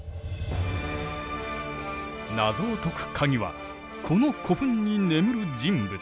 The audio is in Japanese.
謎を解く鍵はこの古墳に眠る人物。